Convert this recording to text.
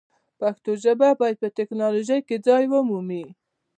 پښتو ژبه باید په ټکنالوژۍ کې ځای ومومي.